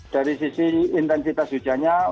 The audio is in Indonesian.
dari sisi intensitas hujannya